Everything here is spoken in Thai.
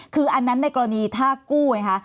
คืออันนั้นในกรณีถ้ากู้ไงคะ